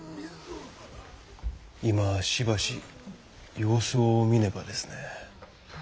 今しばし様子を見ねばですね。